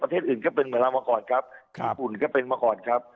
อื่นก็เป็นเหมือนเรามาก่อนครับญี่ปุ่นก็เป็นมาก่อนครับ